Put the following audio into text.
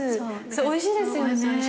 おいしいですよね。